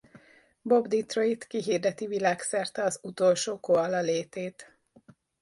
Bob Detroit kihirdeti világszerte az utolsó koala létét.